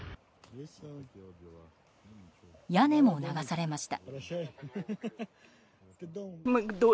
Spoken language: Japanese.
屋根も流されました。